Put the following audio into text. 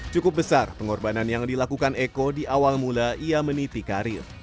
cukup besar pengorbanan yang dilakukan eko di awal mula ia meniti karir